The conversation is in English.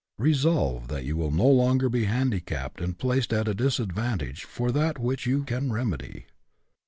Resolve that you will no longer be handicapped and placed at a disadvantage for that which you can remedy.